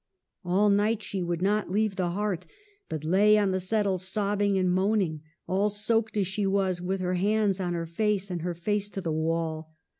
All night she would not leave the hearth, but lay on the settle sobbing and moaning, all soaked as she was, with her hands on her face and her face to the wall.